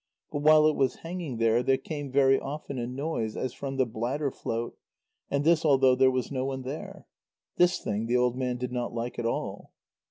But while it was hanging there, there came very often a noise as from the bladder float, and this although there was no one there. This thing the old man did not like at all.